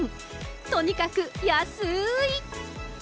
とにかく安い！